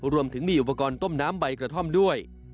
รวมถึงมีอุปกรณ์ต้มน้ำใบกระท่อมด้วย